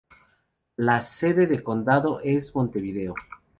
La sede de condado es Montevideo.